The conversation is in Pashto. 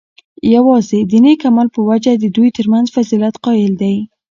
یواځی د نیک عمل په وجه د دوی ترمنځ فضیلت قایل دی،